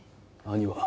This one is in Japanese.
兄は？